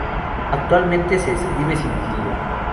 Actualmente se escribe sin tilde.